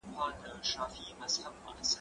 زه اوږده وخت کتابتون ته ځم وم!؟